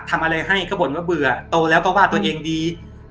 ทำอะไรให้ก็บ่นว่าเบื่อโตแล้วก็ว่าตัวเองดี